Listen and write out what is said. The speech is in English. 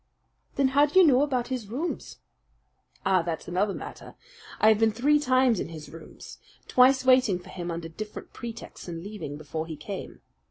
"Then how do you know about his rooms?" "Ah, that's another matter. I have been three times in his rooms, twice waiting for him under different pretexts and leaving before he came.